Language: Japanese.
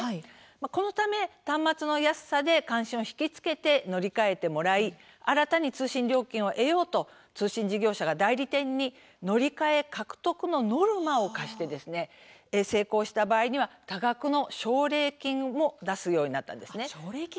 このため端末の安さで関心を引きつけて、乗り換えてもらい新たに通信料金を得ようと通信事業者が代理店に乗り換え獲得のノルマを課して成功した場合には多額の奨励金も出すようになったんです。